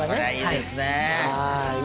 いいですね。